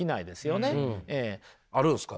あるんすか？